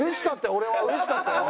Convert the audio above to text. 俺はうれしかったよ。